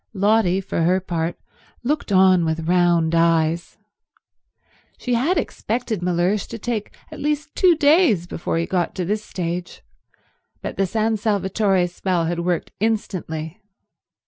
Lotty, for her part, looked on with round eyes. She had expected Mellersh to take at least two days before he got to this stage, but the San Salvatore spell had worked instantly.